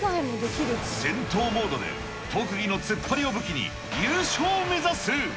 戦闘モードで特技の突っ張りを武器に、優勝を目指す。